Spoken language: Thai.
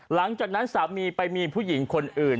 หลังจากนั้นสามีไปมีผู้หญิงคนอื่น